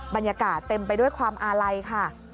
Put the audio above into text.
บรรยากาศเต็มไปด้วยความอาลัยค่ะ